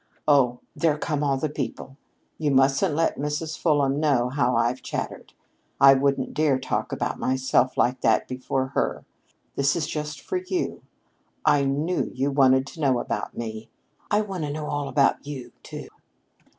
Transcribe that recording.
Oh, there come all the people! You mustn't let Mrs. Fulham know how I've chattered. I wouldn't dare talk about myself like that before her. This is just for you I knew you wanted to know about me. I want to know all about you, too."